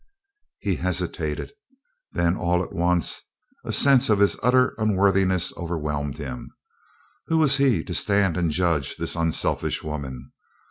He hesitated. Then all at once a sense of his utter unworthiness overwhelmed him. Who was he to stand and judge this unselfish woman?